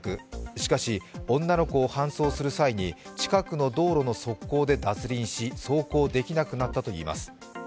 しかし女の子を搬送する際に、近くの道路の側溝で脱輪し、走行できなくなったといいます。